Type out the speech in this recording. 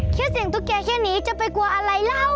คิดเสียงตุ๊กแกแค่นี้จะไปกลัวอะไรเรา